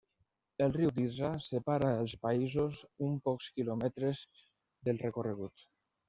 El riu Tisza separa els països un pocs quilòmetres del recorregut.